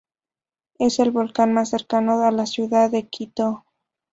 Es el Volcán más cercano a la ciudad de Quito.